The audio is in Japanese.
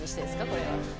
これは。